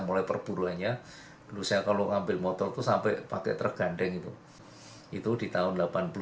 mulai perburuannya lulusnya kalau ngambil motor tuh sampai pakai tergandeng itu itu di tahun delapan puluh sembilan sembilan puluh